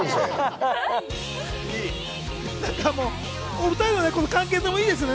お２人の関係性もいいですね。